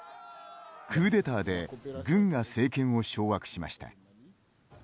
クーデターで軍が政権を掌握しました。